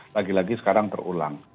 lagi lagi sekarang terulang